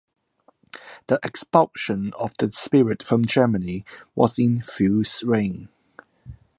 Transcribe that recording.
The expulsion of the spirit from Germany was in full swing.